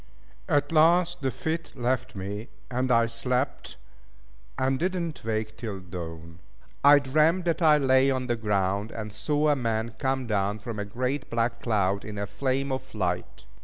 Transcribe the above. At last the fit left me, and I slept, and did not wake till dawn. I dreamt that I lay on the ground, and saw a man come down from a great black cloud in a flame of light.